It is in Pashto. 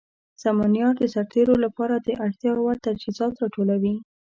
سمونیار د سرتیرو لپاره د اړتیا وړ تجهیزات راټولوي.